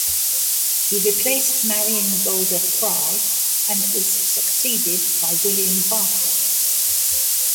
He replaced Marion Golda Fry and was succeeded by William Barker.